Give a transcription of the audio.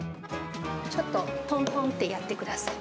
ちょっととんとんってやってください。